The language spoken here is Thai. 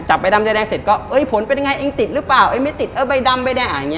ใบดำใจแดงเสร็จก็เอ้ยผลเป็นยังไงเองติดหรือเปล่าเองไม่ติดเออใบดำใบแดง